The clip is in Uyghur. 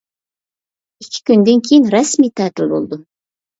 ئىككى كۈندىن كېيىن رەسمىي تەتىل بولىدۇ.